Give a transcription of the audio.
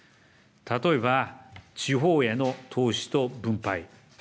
例えば地方への投資と分配。